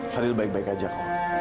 fadil baik baik aja kok